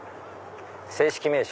正式名称。